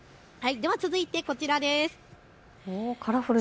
では続いてこちらです。